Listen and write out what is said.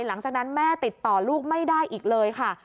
หลังจากนั้นแม่ติดต่อลูกไม่ได้อีกเลยค่ะ